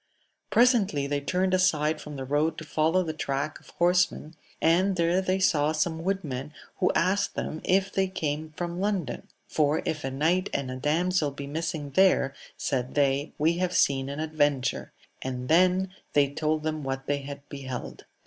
Presently they turned aside from the road to follow the track of horsemen, and there they saw some woodmen, who asked them if they came from London, for if a knight and a damsel be missing there, said they, we have seen an adventure ; and then they told them what they had beheld.